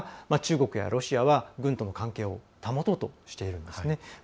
中国やロシアは軍との関係を保とうとしているんですね。